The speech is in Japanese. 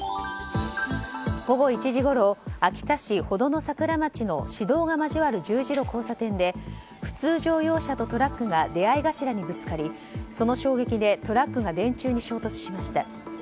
午後１時ごろ秋田市保戸野桜町の市道が交わる十字路交差点で普通乗用車とトラックが出合い頭にぶつかりその衝撃でトラックが電柱に衝突しました。